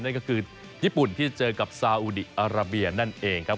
นั่นก็คือญี่ปุ่นที่เจอกับซาอุดีอาราเบียนั่นเองครับ